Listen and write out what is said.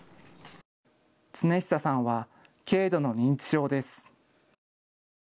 亘久さんは軽度の認知症です。